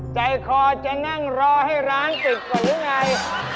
ใจคอจะนั่งรอให้ร้านตึกก่อนหรือไง